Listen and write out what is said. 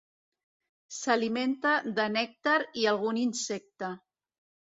S'alimenta de nèctar i algun insecte.